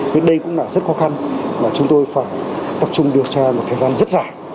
thì đây cũng là rất khó khăn mà chúng tôi phải tập trung điều tra một thời gian rất dài